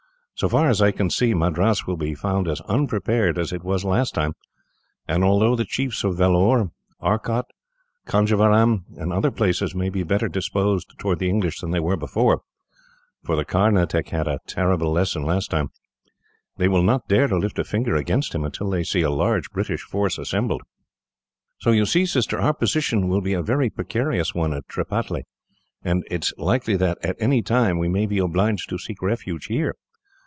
So far as I can see, Madras will be found as unprepared as it was last time; and although the chiefs of Vellore, Arcot, Conjeveram, and other places may be better disposed towards the English than they were before for the Carnatic had a terrible lesson last time they will not dare to lift a finger against him, until they see a large British force assembled. "So you see, sister, your position will be a very precarious one at Tripataly; and it is likely that, at any time, we may be obliged to seek refuge here.